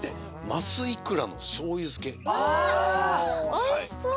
おいしそう！